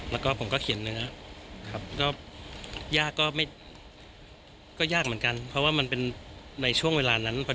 แล้วก็ผมก็เขียนเนื้อครับก็ยากก็ไม่ก็ยากเหมือนกันเพราะว่ามันเป็นในช่วงเวลานั้น